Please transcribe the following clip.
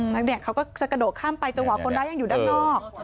แล้วเนี่ยเขาก็จะกระโดดข้ามไปจังหวะคนร้ายยังอยู่ด้านนอก